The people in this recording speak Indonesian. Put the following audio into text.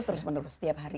terus menerus setiap hari